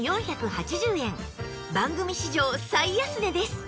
番組史上最安値です